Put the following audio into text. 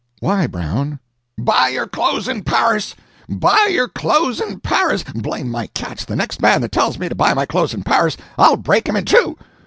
"Why, Brown!" "Buy your clothes in Paris! buy your clothes in Paris! Blame my cats, the next man that tells me to buy my clothes in Paris, I'll break him in two!